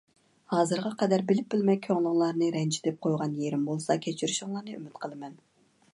ھازىرغا قەدەر بىلىپ بىلمەي كۆڭلۈڭلارنى رەنجىتىپ قويغان يېرىم بولسا كەچۈرۈشۈڭلارنى ئۈمىد قىلىمەن.